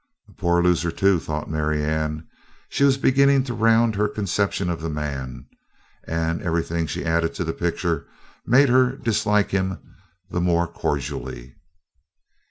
"A poor loser, too," thought Marianne. She was beginning to round her conception of the man; and everything she added to the picture made her dislike him the more cordially.